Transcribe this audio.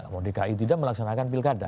kalau dki tidak melaksanakan pilkada